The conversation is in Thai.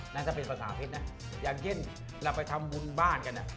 แล้วถ้าเป็นภาษาพิษอย่างเย็นเราไปทำบุญบ้านกัน